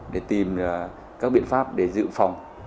để tìm các biện pháp để giữ phòng